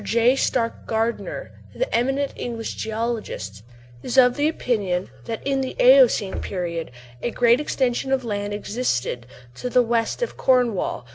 J. Starke Gardner, the eminent English geologist, is of the opinion that in the Eocene Period a great extension of land existed to the west of Cornwall.